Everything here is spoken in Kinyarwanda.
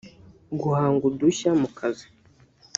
guhanga udushya mu kazi